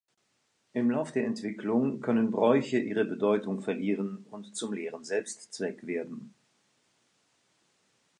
Im Lauf der Entwicklung können Bräuche ihre Bedeutung verlieren und zum leeren Selbstzweck werden.